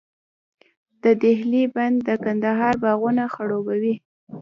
د دهلې بند د کندهار باغونه خړوبوي.